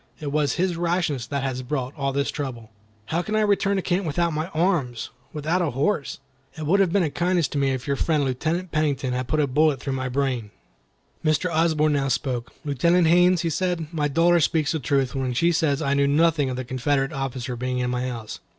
It was his rashness that has brought all this trouble." "How can I return to camp without arms, without a horse? It would have been a kindness to me if your friend Lieutenant Pennington had put a bullet through my brain." Mr. Osborne now spoke. "Lieutenant Haines," he said, "my daughter speaks the truth when she says I knew nothing of the Confederate officer being in my house.